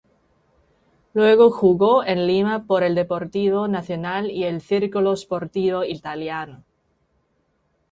Luego jugó en Lima por el Deportivo Nacional y el Circolo Sportivo Italiano.